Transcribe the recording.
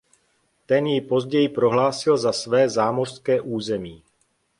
Ten ji později prohlásil za své zámořské území.